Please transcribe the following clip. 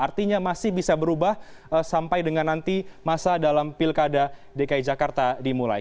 artinya masih bisa berubah sampai dengan nanti masa dalam pilkada dki jakarta dimulai